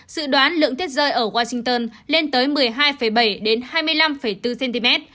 dự đoán lượng tuyết rơi ở washington lên tới một mươi hai bảy hai mươi năm bốn cm